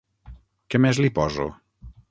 Què més li poso?